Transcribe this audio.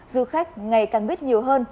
du khách ngày càng biết nhiều hơn